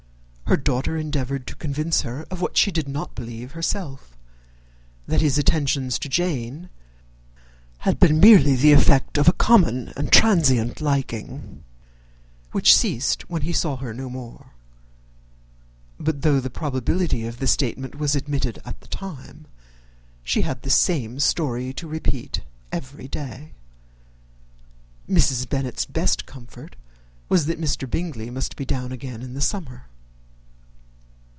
Her daughter endeavoured to convince her of what she did not believe herself, that his attentions to Jane had been merely the effect of a common and transient liking, which ceased when he saw her no more; but though the probability of the statement was admitted at the time, she had the same story to repeat every day. Mrs. Bennet's best comfort was, that Mr. Bingley must be down again in the summer.